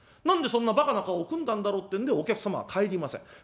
何でそんなばかな顔を組んだんだろうってんでお客様は帰りません。